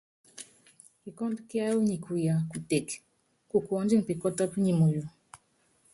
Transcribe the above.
Kikɔ́ndú kíáwɔ nyi kuya kuteke, kukuɔndini pikɔtɔ́pɔ nyi muyu.